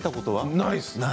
ないです。